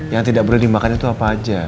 yang tidak perlu dimakan itu apa aja